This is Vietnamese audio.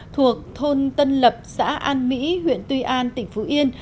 thuộc thôn tân lập xã an mỹ huyện tuy an tỉnh phú yên